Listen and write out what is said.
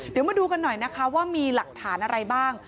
เดี๋ยวมาดูกันหน่อยนะคะว่ามีหลักฐานอะไรบ้าง